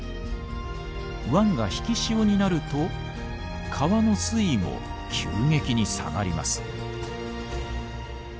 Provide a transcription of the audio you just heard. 湾が引き潮になると川の水位も急激に下がります。